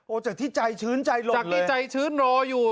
โหแต่ที่ใจชื้นใจหลบเลยเจ๋งหนีใจชื้นรออยู่